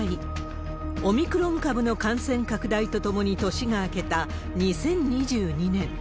オミクロン株の感染拡大とともに年が明けた２０２２年。